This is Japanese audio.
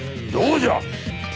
どうじゃ！